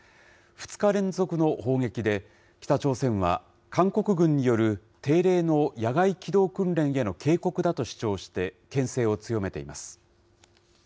２日連続の砲撃で、北朝鮮は韓国軍による定例の野外機動訓練への警告だと主張して、けん制を強めています。